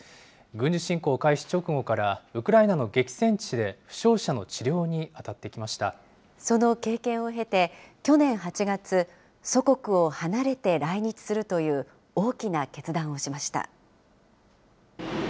軍事侵攻開始直後からウクライナの激戦地で負傷者の治療に当たっその経験を経て、去年８月、祖国を離れて来日するという、大きな決断をしました。